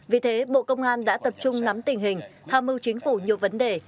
vì thế bộ công an đã tập trung nắm tình hình tham mưu chính phủ nhiều vấn đề